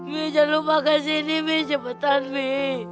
mami jangan lupa kesini mami cepetan mami